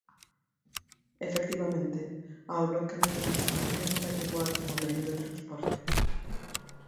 Efectivamente, ao Bloque Nacionalista Galego dálle igual o medio de transporte.